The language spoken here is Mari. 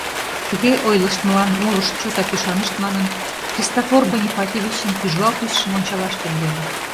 Тыге ойлыштмылан молышт чотак ӱшанышт манын, Христофор Бонифатьевичын тӱжвал тӱсшым ончалаш темленыт.